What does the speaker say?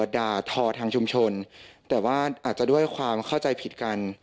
ด่าทอทางชุมชนแต่ว่าอาจจะด้วยความเข้าใจผิดกัน